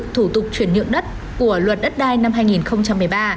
thủ tục chuyển nhượng đất của luật đất đai năm hai nghìn một mươi ba